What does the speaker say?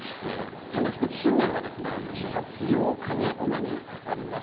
サンデースポーツ、新年は１月８日にお目にかかります。